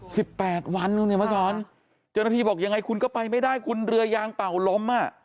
สิบแปดวันคุณเนี่ยมาสอนเจ้าหน้าที่บอกยังไงคุณก็ไปไม่ได้คุณเรือยางเป่าลมอ่ะ